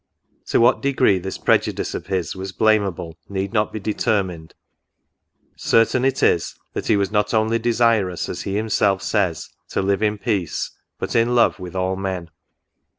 To what degree this prejudice of his was blameable need not be determined ;— certain it is, that he was not only desirous, as he himself says, to live in peace, but in love, with all men.